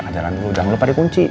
kaka jalan dulu jangan lupa di kunci